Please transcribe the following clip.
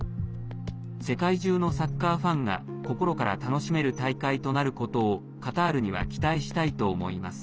世界中のサッカーファンが心から楽しめる大会となることをカタールには期待したいと思います。